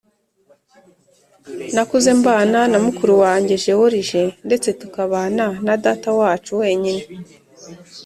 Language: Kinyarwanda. nakuze mbana na mukuru wanjye gerorige ndetse tukabana na data wacu wenyine,